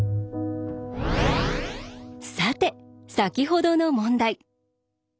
さて先ほどの問題。